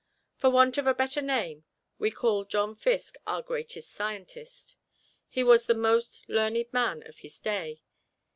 For want of a better name we call John Fiske our greatest scientist. He was the most learned man of his day.